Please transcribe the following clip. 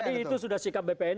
itu sudah sikap bpn